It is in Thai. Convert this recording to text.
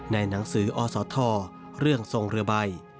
ในหนังสืออศทเรื่องทรงเรือใบ